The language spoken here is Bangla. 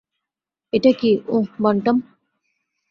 এটা কি, উহ, বান্টাম?